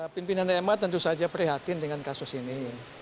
pimpinan ma tentu saja prihatin dengan kasus ini